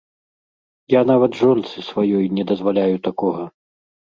Я нават жонцы сваёй не дазваляю такога.